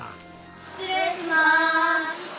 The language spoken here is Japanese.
失礼します。